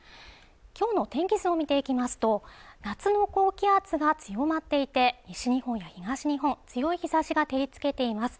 今日の天気図を見ていきますと夏の高気圧が強まっていて西日本や東日本強い日差しが照りつけています